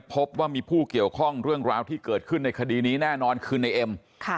พบว่ามีผู้เกี่ยวข้องเรื่องราวที่เกิดขึ้นในคดีนี้แน่นอนคือในเอ็ม